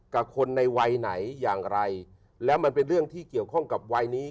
กับคนในวัยไหนอย่างไรแล้วมันเป็นเรื่องที่เกี่ยวข้องกับวัยนี้